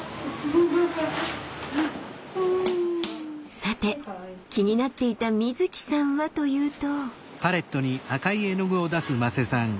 さて気になっていたみずきさんはというと。